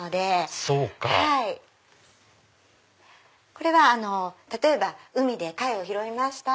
これは例えば海で貝を拾いました！